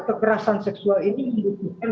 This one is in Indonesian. kekerasan seksual ini membutuhkan